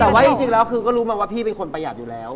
แต่ว่าจริงแล้วคือก็รู้มาว่าพี่เป็นคนประหยัดอยู่แล้ว